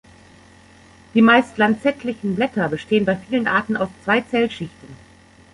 Die meist lanzettlichen Blätter bestehen bei vielen Arten aus zwei Zellschichten.